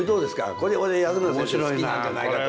これ俺安村さん好きなんじゃないかと思って。